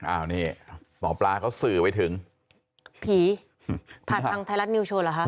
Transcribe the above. อ้าวนี่หมอปลาเขาสื่อไปถึงผีผ่านทางไทยรัฐนิวโชว์เหรอคะ